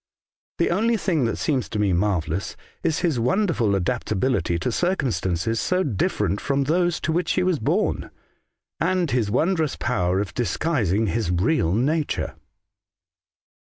" The only thing that seems to me mar vellous is his wonderful adaptability to circum stances so different from those to which he was born, and his wondrous power of disguising his real nature.